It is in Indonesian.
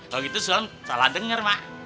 kalau gitu soham salah denger mak